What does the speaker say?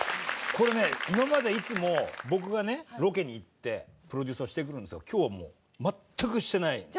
これね今までいつも僕がロケに行ってプロデュースはしてくるんですが今日はもう全くしてない。